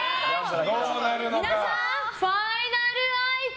皆さん、ファイナル愛花？